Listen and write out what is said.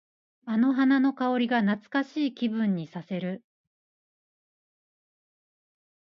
あの花の香りが懐かしい気分にさせる。